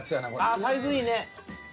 ああサイズいいね。